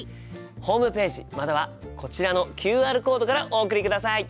ホームページまたはこちらのＱＲコードからお送りください。